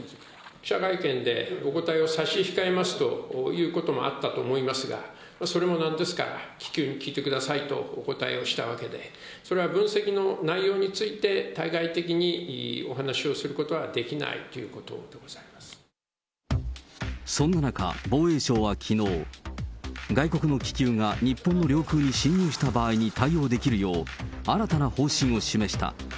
記者会見でお答えを差し控えますということもあったと思いますが、それもなんですから、気球に聞いてくださいとお答えしたわけで、それは分析の内容について対外的にお話をすることはできないといそんな中、防衛省はきのう、外国の気球が日本の領空に侵入した場合に対応できるよう、新たな方針を示した。